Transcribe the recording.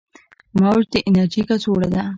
موج د انرژي کڅوړه ده.